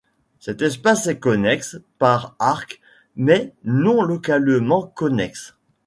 Cet espace est connexe par arcs mais non localement connexe.